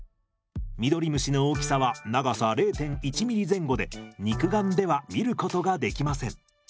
ミドリムシの大きさは長さ０．１ｍｍ前後で肉眼では見ることができません。